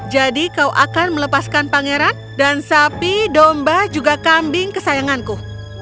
jadi kau akan melepaskan pangeran dan sapi domba juga kambing kesayanganku